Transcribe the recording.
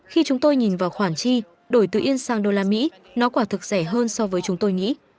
khi chúng tôi nhìn vào khoản chi đổi từ yên sang đô la mỹ nó quả thực rẻ hơn so với chúng tôi nghĩ